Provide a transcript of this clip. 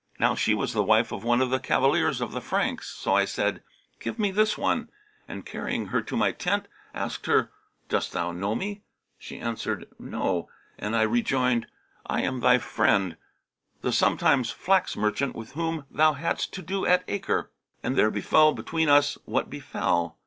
Now she was the wife of one of the cavaliers of the Franks. So I said, 'Give me this one,' and carrying her to my tent, asked her, 'Dost thou know me?' She answered, 'No;' and I rejoined, 'I am thy friend, the sometime flax merchant with whom thou hadst to do at Acre and there befel between us what befel.